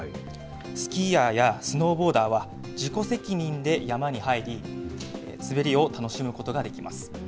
スキーヤーやスノーボーダーは、自己責任で山に入り、滑りを楽しむことができます。